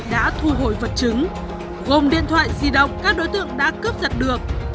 hà nội đã thu hồi vật chứng gồm điện thoại di động các đối tượng đã cướp giật được